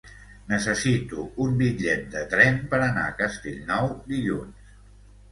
Necessito un bitllet de tren per anar a Castellnou dilluns.